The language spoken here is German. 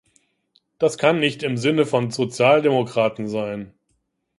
Das kann nicht im Sinne von Sozialdemokraten sein.